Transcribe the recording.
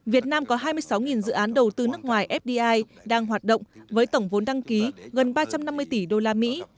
việt nam có hai mươi sáu dự án đầu tư nước ngoài fdi đang hoạt động với tổng vốn đăng ký gần ba trăm năm mươi tỷ đô la mỹ